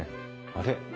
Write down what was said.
あれ？